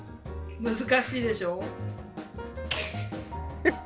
難しいでしょう？